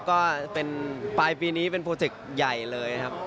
ก็ปลายปีนี้เป็นโปรเจคใหญ่เลยครับ